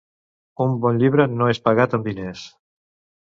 Un bon llibre no és pagat amb diners.